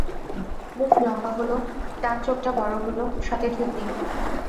মুখ লম্বা হলো, ডান চোখটা বড় হলো, সাথে থুতনিও।